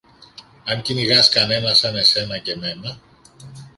Αν κυνηγάς κανένα σαν εσένα και μένα